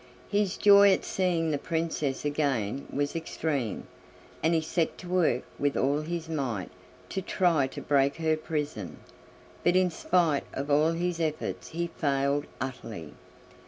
His joy at seeing the Princess again was extreme, and he set to work with all his might to try to break her prison; but in spite of all his efforts he failed utterly.